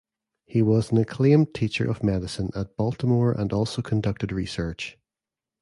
He was an acclaimed teacher of medicine at Baltimore and also conducted research.